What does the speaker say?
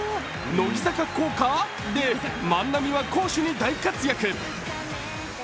乃木坂効果？で万波は攻守に大活躍